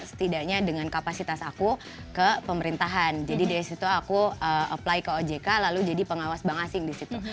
setidaknya dengan kapasitas aku ke pemerintahan jadi dari situ aku apply ke ojk lalu jadi pengawas bank asing di situ